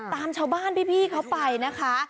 ตามชาวบ้านพี่เขาไปนะคะ